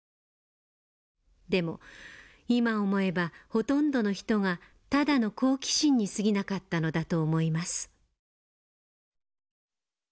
でも今思えばほとんどの人がただの好奇心にすぎなかったのだと思います」。